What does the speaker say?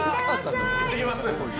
いってきます。